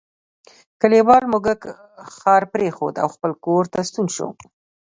کلیوال موږک ښار پریښود او خپل کور ته ستون شو.